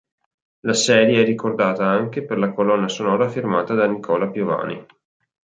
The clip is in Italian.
La serie è ricordata anche per la colonna sonora firmata da Nicola Piovani.